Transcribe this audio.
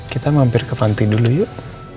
kita mampir ke panti dulu yuk